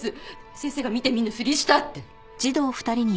先生が見て見ぬふりしたって。